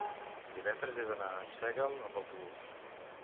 divendres he d'anar a Arsèguel amb autobús.